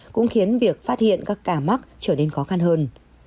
cũng khiến việc phát hiện các ca mắc trở nên khó khăn hơn